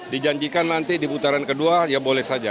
dijanjikan nanti di putaran kedua ya boleh saja